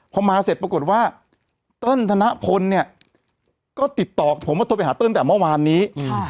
พอมาเสร็จปรากฏว่าเติ้ลธนพลเนี่ยก็ติดต่อผมว่าโทรไปหาเติ้ลแต่เมื่อวานนี้